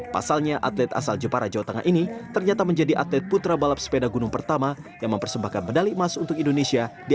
pasalnya atlet asal jepara jawa tengah ini ternyata menjadi atlet putra balap sepeda gunung pertama yang mempersembahkan medali emas untuk indonesia